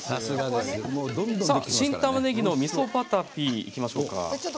「新たまのみそバタピー」いきましょう。